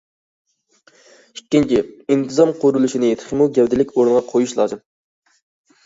ئىككىنچى، ئىنتىزام قۇرۇلۇشىنى تېخىمۇ گەۋدىلىك ئورۇنغا قويۇش لازىم.